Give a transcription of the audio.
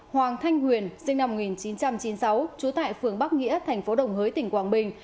hoàng thanh huyền sinh năm một nghìn chín trăm chín mươi sáu trú tại phường bắc nghĩa thành phố đồng hới tỉnh quảng bình